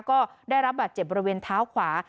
ก็ได้รับบาดเจ็บบริเวณเท้าขวา